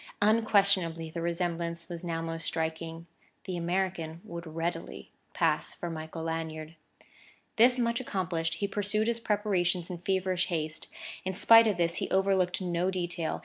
Unquestionably the resemblance was now most striking; the American would readily pass for Michael Lanyard. This much accomplished, he pursued his preparations in feverish haste. In spite of this, he overlooked no detail.